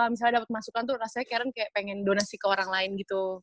misalnya dapat masukan tuh rasanya karen kayak pengen donasi ke orang lain gitu